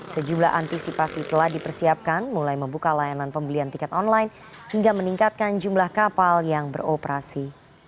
sejumlah antisipasi telah dipersiapkan mulai membuka layanan pembelian tiket online hingga meningkatkan jumlah kapal yang beroperasi